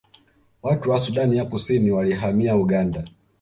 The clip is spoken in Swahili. Watu wa Sudani ya Kusini walihamia Uganda